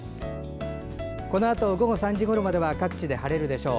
このあと午後３時ごろまでは各地で晴れるでしょう。